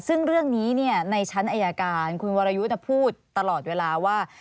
ซึ่งเรื่องนี้ในชั้นอายการคุณวรยุทธ์พูดตลอดเวลาว่า